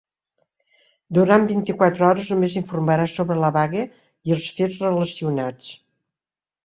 Durant vint-i-quatre hores, només informarà sobre la vaga i els fets relacionats.